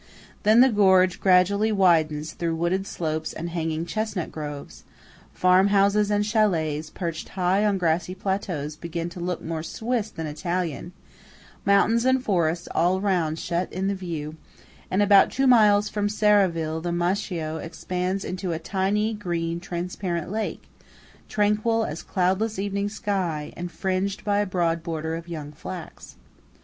Then the gorge gradually widens through wooded slopes and hanging chestnut groves; farmhouses and châlets perched high on grassy plateaus begin to look more Swiss than Italian; mountains and forests all round shut in the view; and about two miles from Serravalle the Meschio expands into a tiny, green, transparent lake, tranquil as a cloudless evening sky, and fringed by a broad border of young flax.